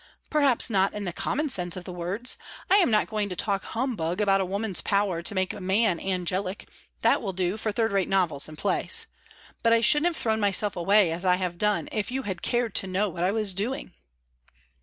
"Perhaps not in the common sense of the words. I am not going to talk humbug about a woman's power to make a man angelic; that will do for third rate novels and plays. But I shouldn't have thrown myself away as I have done if you had cared to know what I was doing."